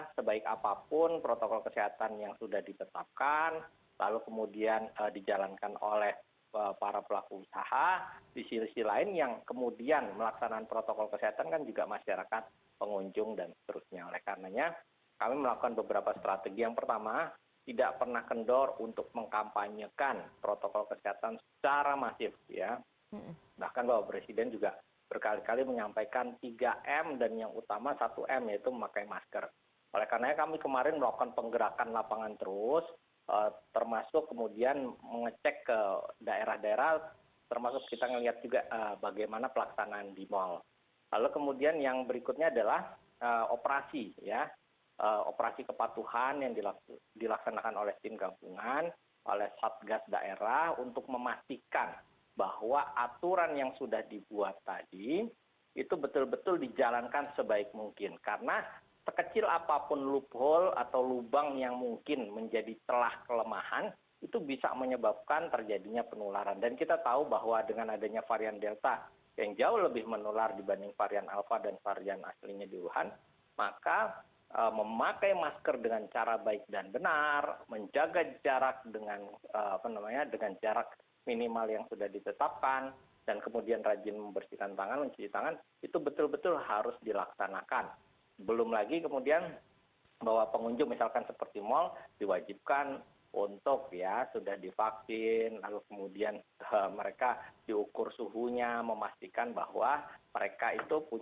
saya kira ini protokol wajib vaksinasi ini adalah bukan menghilangkan protokol yang sudah diberlakukan selama ini selama pandemi tapi ini adalah protokol wajib tambahan